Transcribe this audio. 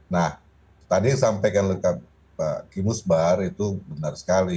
nah tadi yang disampaikan oleh pak kimus bar itu benar sekali